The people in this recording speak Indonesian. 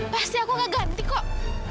pasti aku gak ganti kok